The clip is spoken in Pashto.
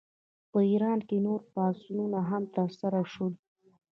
په ایران کې نور پاڅونونه هم ترسره شول.